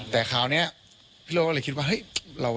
แต่คราวนี้พิโร่ก็เลยคิดว่า